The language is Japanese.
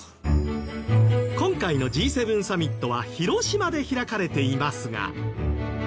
今回のＧ７サミットは広島で開かれていますが。